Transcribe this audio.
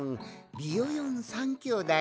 ビヨヨン３きょうだい？